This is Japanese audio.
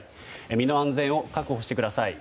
身の安全を確保してください。